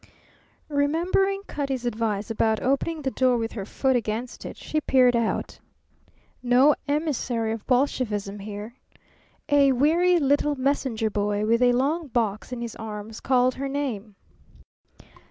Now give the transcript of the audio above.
Remembering Cutty's advice about opening the door with her foot against it, she peered out. No emissary of Bolshevisim here. A weary little messenger boy with a long box in his arms called her name.